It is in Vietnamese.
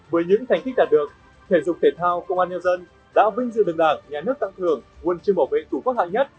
với những thành tích đạt được thể dục thể thao công an nhân dân đã vinh dự đường đảng nhà nước tặng thưởng quân trương bảo vệ tủ quốc hạng nhất